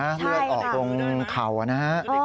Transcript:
เลือกออกตรงเขานะค่ะ